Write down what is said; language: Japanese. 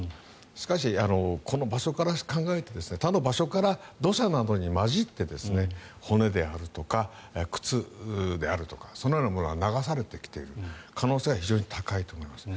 しかし、この場所から考えて他の場所から土砂などに交じって骨であるとか靴であるとかそのようなものが流されてきている可能性は非常に高いと思います。